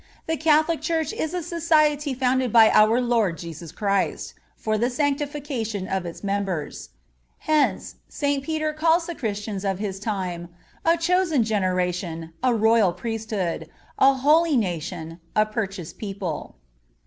The Catholic Church is a society founded by our Lord Jesus Christ for the sanctification of its members; hence, St. Peter calls the Christians of his time "a chosen generation, a royal priesthood, a holy nation, a purchased people."